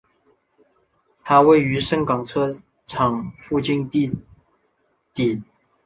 它位于盛港车厂附近地底。